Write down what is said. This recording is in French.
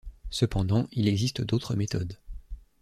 Cependant, il existe d'autres méthodes.